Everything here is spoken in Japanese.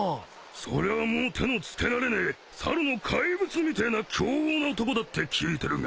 そりゃもう手のつけられねえ猿の怪物みてえな凶暴な男だって聞いてるが。